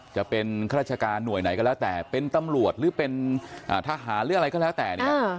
จะเป็นข้าราชการหน่วยไหนก็แล้วแต่เป็นตำรวจหรือเป็นทหารหรืออะไรก็แล้วแต่เนี่ย